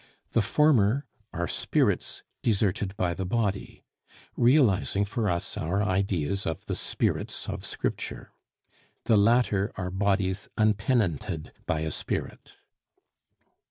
The former are spirits deserted by the body, realizing for us our ideas of the spirits of Scripture; the latter are bodies untenanted by a spirit.